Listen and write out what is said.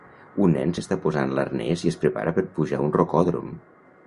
Un nen s'està posant l'arnés i es prepara per pujar un rocòdrom.